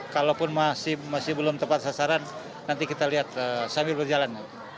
kalaupun masih belum tepat sasaran nanti kita lihat sambil berjalan